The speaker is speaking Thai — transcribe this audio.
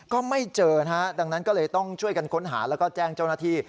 ก็ไม่เจอนะฮะดังนั้นก็เลยต้องช่วยกันค้นหาแล้วก็แจ้งเจ้าหน้าที่